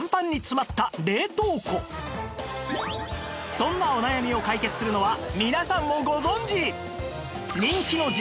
そんなお悩みを解決するのは皆さんもご存じ